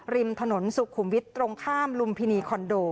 ริมถนนสุขุมวิทย์ตรงข้ามลุมพินีคอนโด